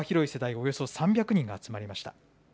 およそ、３００人が集まります。